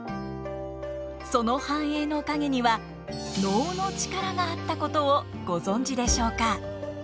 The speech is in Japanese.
その繁栄の陰には能の力があったことをご存じでしょうか？